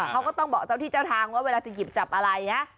เขาก็ต้องบอกเจ้าที่เจ้าทางว่าเวลาจะหยิบจับอะไรนะ